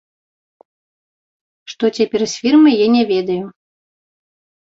Што цяпер з фірмай, я не ведаю.